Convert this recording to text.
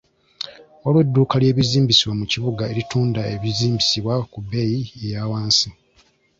Waliwo edduuka ly'ebizimbisibwa mu kibuga eritunda ebizimbisibwa ku bbeeyi eyawansi.